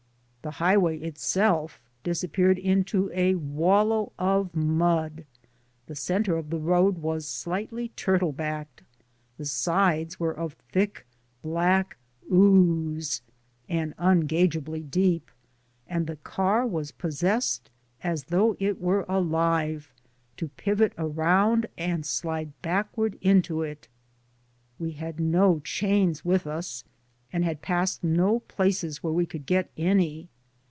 The highway itself disappeared into a wallow of mud I The center of the road was slightly turtle backed; the sides were of thick, black ooze and ungaugeably deep, and the car was possessed, as though it were alive, to pivot around and slide backward into it. We had no chains with us, and had passed no places where we could get any.